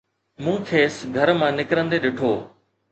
مون کيس گھر مان نڪرندي ڏٺو